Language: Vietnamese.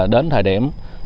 đến thời điểm